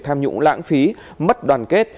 tham nhũng lãng phí mất đoàn kết